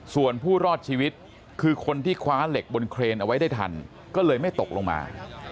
ส่วนผู้รอดชีวิตคือคนที่คว้าเหล็กบนเครนเอาไว้ได้ทันก็เลยไม่ตกลงมา